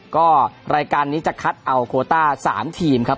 ก็รายการนี้จะคัดเอาโคต้า๓ทีมครับ